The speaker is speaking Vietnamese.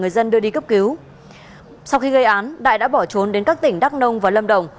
sau khi gây án đại đã bỏ trốn đến các tỉnh đắk nông và lâm đồng